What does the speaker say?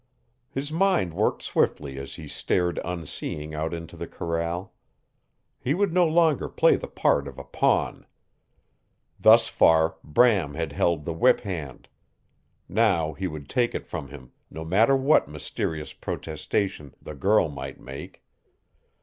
His mind worked swiftly as he stared unseeing out into the corral. He would no longer play the part of a pawn. Thus far Bram had held the whip hand. Now he would take it from him no matter what mysterious protestation the girl might make!